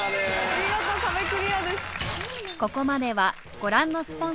見事壁クリアです。